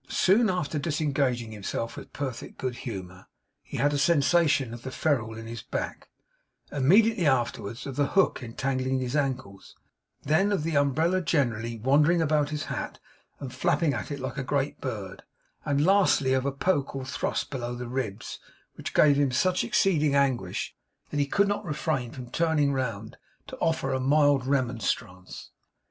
Soon after disengaging himself with perfect good humour, he had a sensation of the ferule in his back; immediately afterwards, of the hook entangling his ankles; then of the umbrella generally, wandering about his hat, and flapping at it like a great bird; and, lastly, of a poke or thrust below the ribs, which give him such exceeding anguish, that he could not refrain from turning round to offer a mild remonstrance.